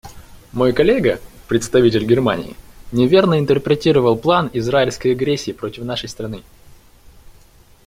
Мой коллега, представитель Германии, неверно интерпретировал план израильской агрессии против нашей страны.